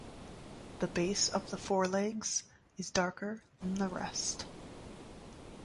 The base of the forelegs is darker than the rest.